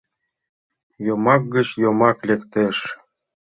Йомак гыч йомак лектеш.